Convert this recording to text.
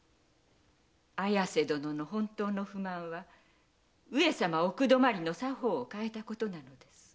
綾瀬殿の本当の不満は上様奥泊まりの作法を変えたことなのです。